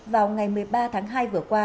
vào ngày một mươi ba tháng hai vừa qua